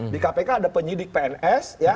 di kpk ada penyidik pns